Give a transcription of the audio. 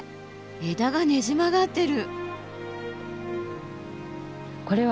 枝がねじ曲がってる。